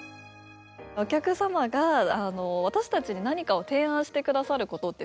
お客様が私たちに何かを提案してくださることってすごく多くって。